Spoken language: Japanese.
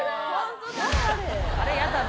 あれ、やだな。